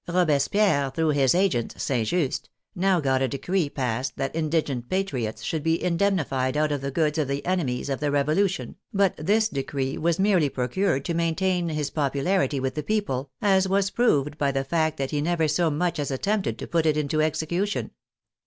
Robespierre, through his agent, St. Just, now got a decree passed that indigent patriots should be indemni fied out of the goods of the " enemies of the Revolution," but this decree was merely procured to maintain his popu larity with the people, as was proved by the fact that he never so much as attempted to put it into execution.